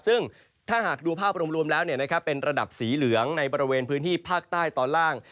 ซึ่งถ้าหากดูภาพรวมแล้วเป็นระดับสีเหลืองในบริเวณพื้นที่ภาคใต้ตอนล่าง